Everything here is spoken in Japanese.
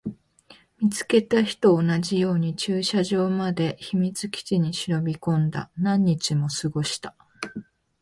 見つけた日と同じように駐車場まで来て、秘密基地に忍び込んだ。何日も過ごした。